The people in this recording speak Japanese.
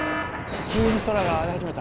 急に空が荒れ始めた。